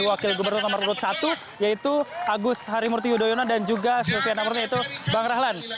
wakil gubernur nomor urut satu yaitu agus harimurti yudhoyono dan juga silviana murni yaitu bang rahlan